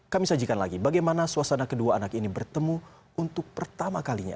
kami sajikan lagi bagaimana suasana kedua anak ini bertemu untuk pertama kalinya